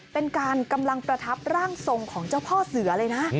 เป็นการกำลังประทับร่างทรงของเจ้าพ่อเสือเลยนะ